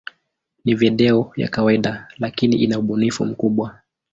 Ni video ya kawaida, lakini ina ubunifu mkubwa.